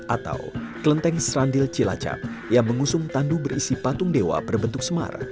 atau kelenteng serandil cilacap yang mengusung tandu berisi patung dewa berbentuk semar